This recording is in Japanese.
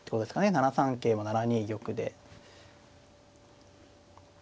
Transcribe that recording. ７三桂は７二玉で。